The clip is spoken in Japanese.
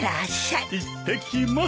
いってきます！